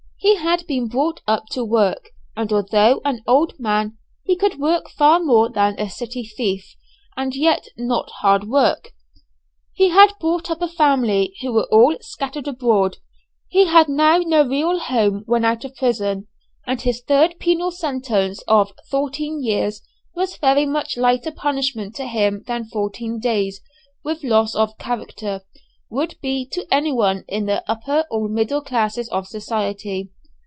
He had been brought up to work, and although an old man, he could work far more than a city thief, and yet not work hard. He had brought up a family who were all scattered abroad. He had now no real home when out of prison, and his third penal sentence of fourteen years was very much lighter punishment to him than fourteen days, with loss of character, would be to anyone in the upper or middle classes of society.